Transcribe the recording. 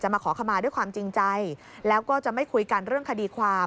มาขอขมาด้วยความจริงใจแล้วก็จะไม่คุยกันเรื่องคดีความ